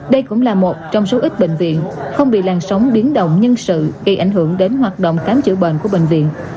đây cũng là một trong số ít bệnh viện không bị làn sóng biến động nhân sự gây ảnh hưởng đến hoạt động khám chữa bệnh của bệnh viện